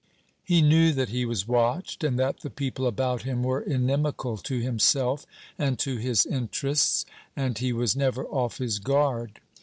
He knew that he was watched; and that the people about him were inimical to himself and to his interests; and he was never off his guard.